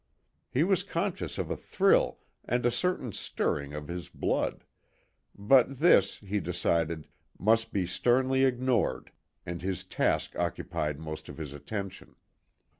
He was conscious of a thrill and a certain stirring of his blood, but this, he decided, must be sternly ignored, and his task occupied most of his attention.